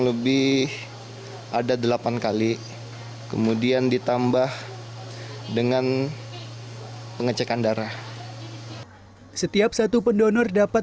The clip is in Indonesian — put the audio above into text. lebih ada delapan kali kemudian ditambah dengan pengecekan darah setiap satu pendonor dapat